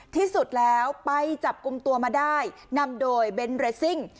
ที่สุดแล้วไปจับกลุ่มตัวมาได้นำโดยเบนท์เรซิ่ง